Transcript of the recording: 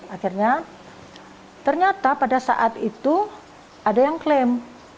akhirnya ternyata pada saat itu ada yang klaim